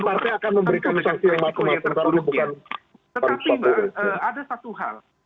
tetapi ada satu hal